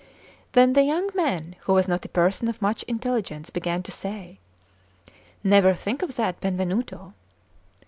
Then the young man, who was not a person of much intelligence, began to say: "Never think of that, Benvenuto!"